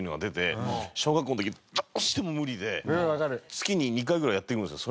月に２回ぐらいやってくるんですよ。